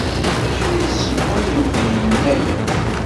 D acu i tessewwayemt deg Yennayer?